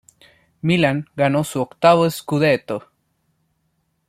Milan ganó su octavo "scudetto".